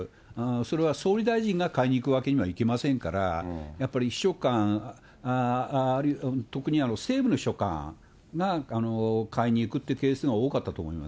それは総理大臣が買いに行くわけにはいきませんから、やっぱり秘書官、特に政務の秘書官が買いに行くっていうケースが多かったと思いま